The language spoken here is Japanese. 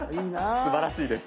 すばらしいです。